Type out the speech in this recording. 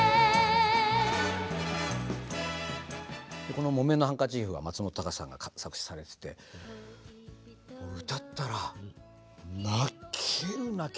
この「木綿のハンカチーフ」が松本隆さんが作詞されててもう歌ったら泣ける泣ける。